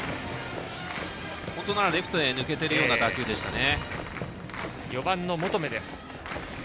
本当ならレフトに抜けているような当たりでしたね。